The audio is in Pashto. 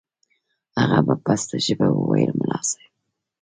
هغه په پسته ژبه وويل ملا صاحب.